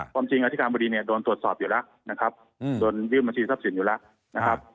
ความจริงอธิการบดีโดนตรวจสอบอยู่แล้วโดนยืมบัญชีทัพสินอยู่แล้ว